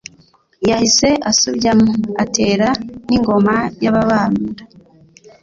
yahise asubyamo atera n' I ngoma y' Ababanda